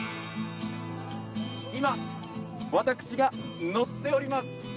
今、私が乗っております